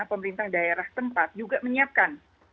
pemerintah daerah tempat juga menyiapkan